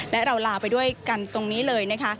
และเราลาไปด้วยกันตรงนี้เลยนะคะ